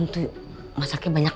aduh masaknya banyak